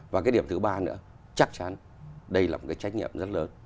và cái điểm thứ ba nữa chắc chắn đây là một cái trách nhiệm rất lớn